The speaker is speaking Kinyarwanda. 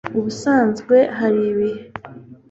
ubusanzwe hari ibihe